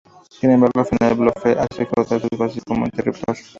Sin embargo, al final Blofeld hace explotar su base con un interruptor.